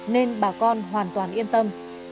nên bà con hoàn toàn yên tâm